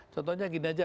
contohnya gini aja